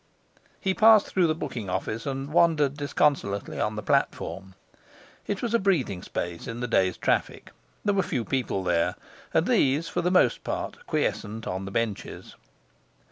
He passed through the booking office and wandered disconsolately on the platform. It was a breathing space in the day's traffic. There were few people there, and these for the most part quiescent on the benches.